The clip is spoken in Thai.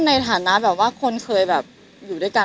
ในฐานะคนเคยอยู่ด้วยกัน